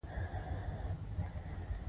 ایا زما چلند ښه و؟